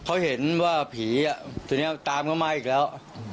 เขาเห็นว่าผีทีนี้ตามเขามาอีกแล้ว